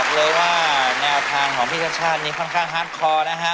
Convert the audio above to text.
เลยว่าแนวทางของพี่ชาติชาตินี้ค่อนข้างฮาร์ดคอนะฮะ